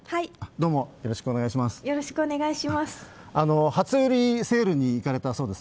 よろしくお願いします。